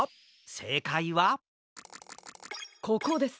せいかいはここです。